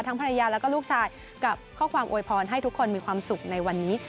ภรรยาแล้วก็ลูกชายกับข้อความโวยพรให้ทุกคนมีความสุขในวันนี้